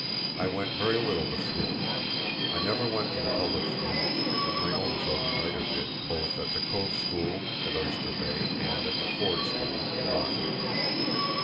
I went very little to school. I never went to the public schools, as my own children later did, both at the "Cove School" at Oyster Bay and at the "Ford School" in Washington.